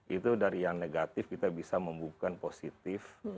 itu dari yang negatif kita bisa membuka positif